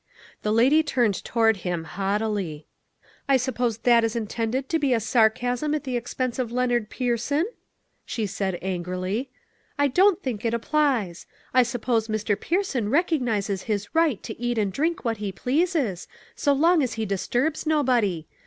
The lady turned toward him haughtily. " I suppose that is intended to be a sar casm at the expense of Leonard Pierson ?" she said, angrily. " I don't think it applies. I suppose Mr. Pierson recognizes his right to eat and drink what he pleases, so long as he disturbs nobody.